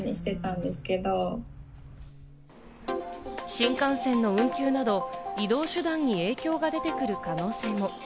新幹線の運休など、移動手段に影響が出てくる可能性も。